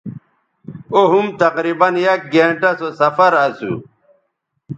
او ھُم تقریباً یک گھنٹہ سو سفراسو